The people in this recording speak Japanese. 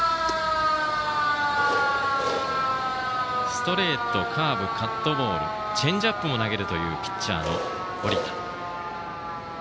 ストレート、カーブカットボールチェンジアップも投げるというピッチャーの堀田。